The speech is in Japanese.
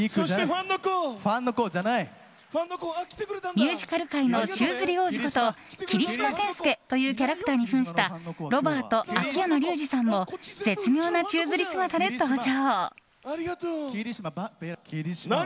ミュージカル界の宙吊り王子こと霧島天介というキャラクターに扮したロバート秋山竜次さんも絶妙な宙づり姿で登場。